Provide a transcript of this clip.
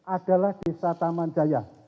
adalah desa tamanjaya